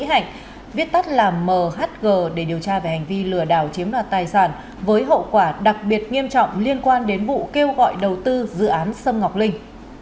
hành viết tắt là mhg để điều tra về hành vi lừa đảo chiếm đoạt tài sản với hậu quả đặc biệt nghiêm trọng liên quan đến vụ kêu gọi đầu tư dự án sâm ngọc linh